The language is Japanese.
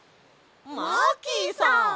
マーキーさん！